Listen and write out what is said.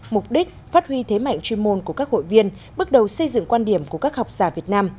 mục đích phát huy thế mạnh chuyên môn của các hội viên bước đầu xây dựng quan điểm của các học giả việt nam